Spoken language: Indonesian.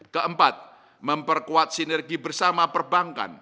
keempat memperkuat sinergi bersama perbankan